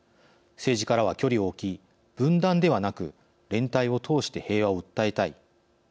政治からは距離を置き分断ではなく連帯を通して平和を訴えたい。